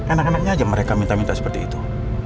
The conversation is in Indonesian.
enak enaknya aja mereka minta minta seperti itu